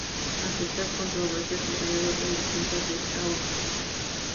Hay ciertas controversias alrededor de las cintas de esta Orden.